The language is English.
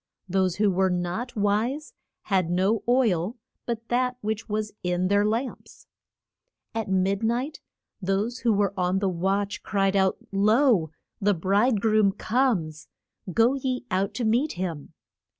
Those who were not wise had no oil but that which was in their lamps. At mid night those who were on the watch cried out, Lo, the bride groom comes! Go ye out to meet him.